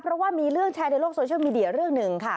เพราะว่ามีเรื่องแชร์ในโลกโซเชียลมีเดียเรื่องหนึ่งค่ะ